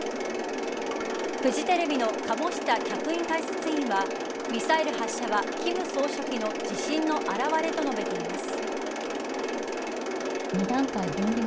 フジテレビの鴨下客員解説委員はミサイル発射は金総書記の自信の表れと述べています。